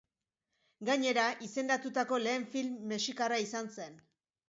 Gainera, izendatutako lehen film mexikarra izan zen.